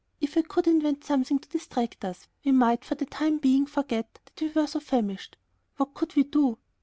If I could invent something to distract us, we might, for the time being, forget that we were so famished. What could we do?